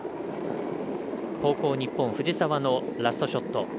後攻、日本藤澤のラストショット。